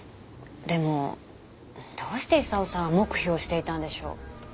でもどうして功さん黙秘をしていたんでしょう？